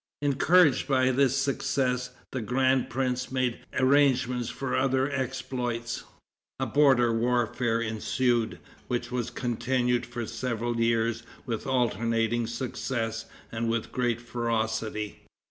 Encouraged by this success, the grand prince made arrangements for other exploits. A border warfare ensued, which was continued for several years with alternating success and with great ferocity.